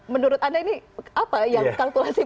menurut anda ini apa yang kalkulasi